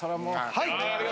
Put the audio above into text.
はい。